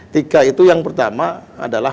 tiga itu yang pertama adalah